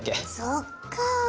そっか。